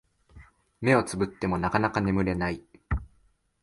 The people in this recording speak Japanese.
目をつぶってもなかなか眠れない